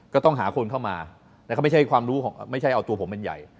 ก็ต้องหาคนเข้ามาไม่ใช่เอาตัวผมเป็นใหญ่